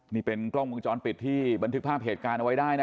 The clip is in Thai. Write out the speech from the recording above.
นี่เป็นกล้องวงจรปิดที่บันทึกภาพเหตุการณ์เอาไว้ได้นะ